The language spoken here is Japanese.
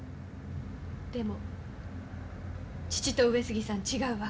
でも父と上杉さん違うわ。